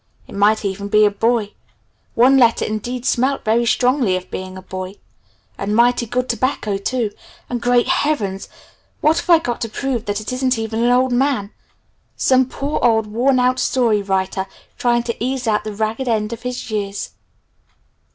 It might even be a boy. One letter indeed smelt very strongly of being a boy and mighty good tobacco, too! And great heavens! what have I got to prove that it isn't even an old man some poor old worn out story writer trying to ease out the ragged end of his years?"